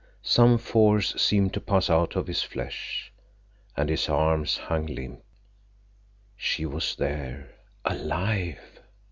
Some force seemed to pass out of his flesh, and his arms hung limp. She was there, _alive!